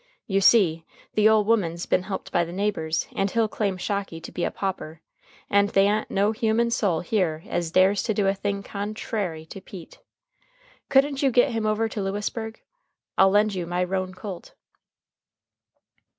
You see, the ole woman's been helped by the neighbors, and he'll claim Shocky to be a pauper, and they a'n't no human soul here as dares to do a thing con_tra_ry to Pete. Couldn't you git him over to Lewisburg? I'll lend you my roan colt."